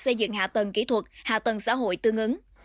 xây dựng hạ tầng kỹ thuật hạ tầng xã hội tương ứng